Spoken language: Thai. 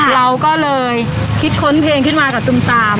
เราก็เลยคิดค้นเพลงขึ้นมากับตุมตาม